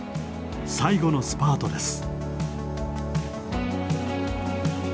最後のスパートです。